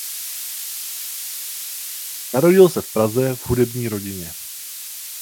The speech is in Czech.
Narodil se v Praze v hudební rodině.